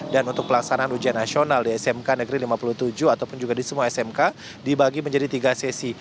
dan untuk pelaksanaan ujian nasional di smk negeri lima puluh tujuh ataupun juga di semua smk dibagi menjadi tiga sesi